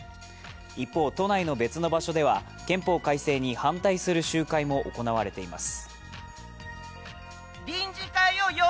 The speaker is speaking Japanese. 一方、都内の別の場所では憲法改正に反対する集会も行われています。